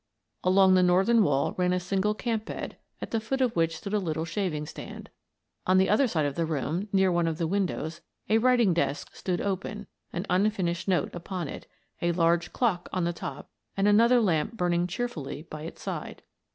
Along the northern wall ran a single camp bed, at the foot of which stood a little shaving stand. On the other side of the room, near one of the windows, a writ ing desk stood open, an unfinished note upon it, a 50 Miss Frances Baird, Detective large clock on the top, and another lamp burning cheerfully by its side.